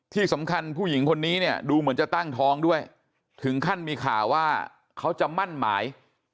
ที่สำคัญผู้หญิงคนนี้เนี่ยดูเหมือนจะตั้งท้องด้วยถึงขั้นมีข่าวว่าเขาจะมั่นหมาย